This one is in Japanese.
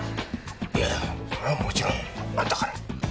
いやぁそれはもちろんあんたから。ね？